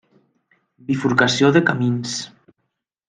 Bifurcació de camins.